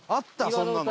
そんなの。